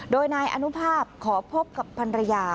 โดยนายอนุภาพขอพบกับพันรยา